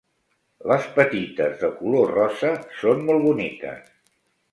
Les petites de color rosa són molt boniques.